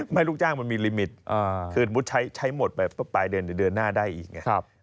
ลูกจ้างมันมีลิมิตคือสมมุติใช้หมดไปปลายเดือนหรือเดือนหน้าได้อีกไง